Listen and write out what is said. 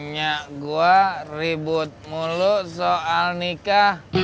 nya gua ribut mulu soal nikah